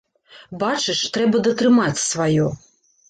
Бачыш, трэба датрымаць сваё.